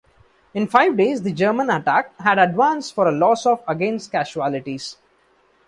In five days the German attack had advanced for a loss of against casualties.